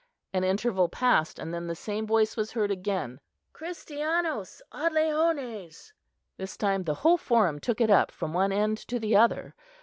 An interval passed; and then the same voice was heard again, "Christianos ad leones!" This time the whole Forum took it up from one end to the other.